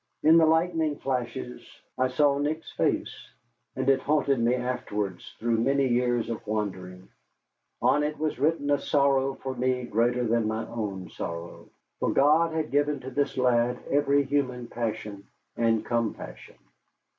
In the lightning flashes I saw Nick's face, and it haunted me afterwards through many years of wandering. On it was written a sorrow for me greater than my own sorrow. For God had given to this lad every human passion and compassion.